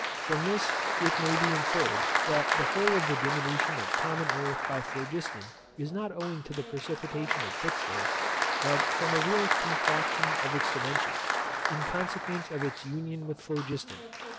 From this it may be inferred, that the whole of the diminution of common air by phlogiston is not owing to the precipitation of fixed air, but from a real contraction of its dimensions, in consequence of its union with phlogiston.